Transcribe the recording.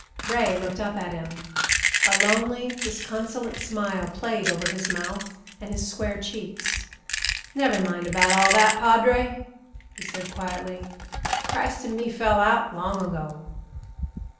Ray looked up at him; a lonely, disconsolate smile played over his mouth and his square cheeks. "Never mind about all that, padre," he said quietly. "Christ and me fell out long ago."